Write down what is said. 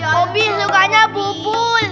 obi sukanya bubul